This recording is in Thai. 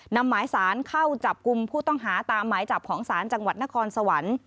นำหมายสารเข้าจับกลุ่มผู้ต้องหาตามหมายจับของศาลจังหวัดนครสวรรค์